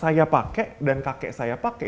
saya pakai dan kakek saya pakai